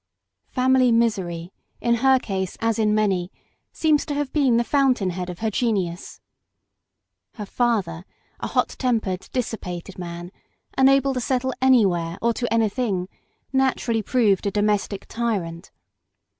Family misery, in her case as in many, seems to have been the fountain head of her genius. Her father, a hot tempered, dis sipated man, unable to settle anywhere or to any thing, naturally proved a domestic tyrant.